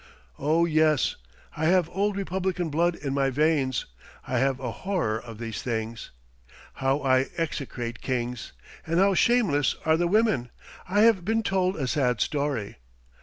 Oh yes! I have old republican blood in my veins. I have a horror of these things. How I execrate kings! And how shameless are the women! I have been told a sad story.